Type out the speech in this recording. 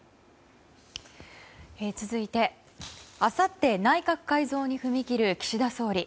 続いてあさって内閣改造に踏み切る岸田総理。